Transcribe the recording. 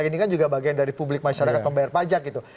bukan juga bagian dari publik masyarakat pembayar pajak gitu